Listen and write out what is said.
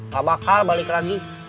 pak bakal balik lagi